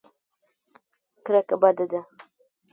کرکه بده ده.